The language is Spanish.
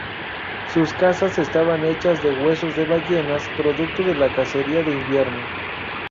Sus casas estaban hechas de huesos de ballenas, producto de la cacería de invierno.